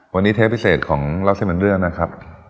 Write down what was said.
วันนี้เทปพิเศษของเล่าเส้นเป็นเรื่องนะครับ